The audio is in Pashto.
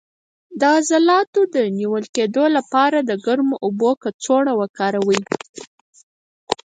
د عضلاتو د نیول کیدو لپاره د ګرمو اوبو کڅوړه وکاروئ